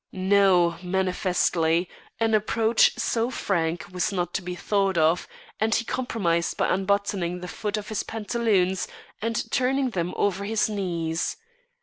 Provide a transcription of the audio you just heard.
No! manifestly, an approach so frank was not to be thought of, and he compromised by unbuttoning the foot of his pantaloons and turning them over his knees.